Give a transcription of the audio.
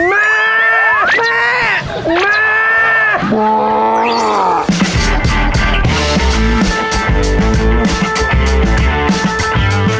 แม่แม่